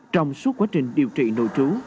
trong suốt quá trình điều trị nội chú